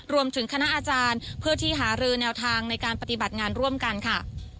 รวมถึงคณะอาจารย์เพื่อที่หารือแนวทางในการปฏิบัติงานร่วมกันค่ะ